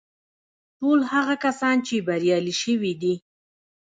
ټول هغه کسان چې بريالي شوي دي.